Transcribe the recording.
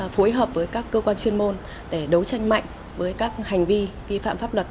phối hợp với các cơ quan chuyên môn để đấu tranh mạnh với các hành vi vi phạm pháp luật